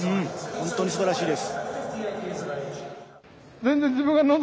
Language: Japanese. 本当にすばらしいです。